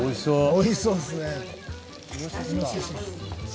美味しそうですね。